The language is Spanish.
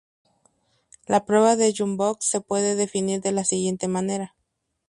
La prueba de Ljung-Box se puede definir de la siguiente manera.